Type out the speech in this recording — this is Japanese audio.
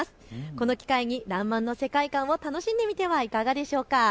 この機会にらんまんの世界観を楽しんでみてはいかがでしょうか。